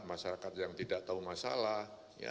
masyarakat yang tidak tahu masalah